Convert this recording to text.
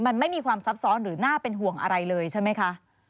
มันไม่มีความซับซ้อนหรือน่าเป็นห่วงอะไรเลยใช่ไหมคะ